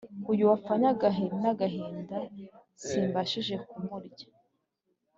Uyu wapfanye agahiri n'agahinda, simbashije kumurya